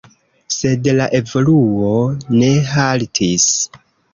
Sed la evoluo ne haltis.